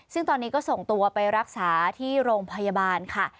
ซึ่งตอนนี้ก็ส่งตัวไปรักษาที่โรงพยาบาลค่ะ